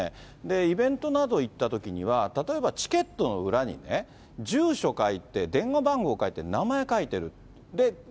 イベントなど行ったときには、例えば、チケットの裏にね、住所書いて、電話番号書いて、名前書いてる。